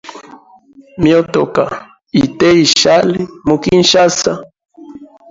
Myotoka ite ishali mu Kinshasa.